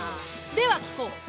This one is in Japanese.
では聞こう。